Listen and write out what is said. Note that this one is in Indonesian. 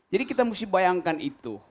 jadi kita mesti bayangkan itu